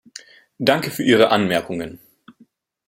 Danke für Ihre Anmerkungen.